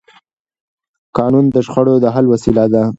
قانون د شخړو د حل وسیله ده